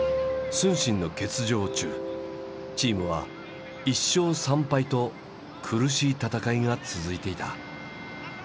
承信の欠場中チームは１勝３敗と苦しい戦いが続いていた。